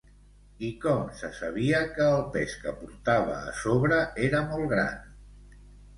I com se sabia que el pes que portava a sobre era molt gran?